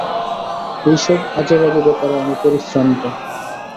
এই সব আজে-বাজে ব্যাপারে আমি পরিশ্রান্ত।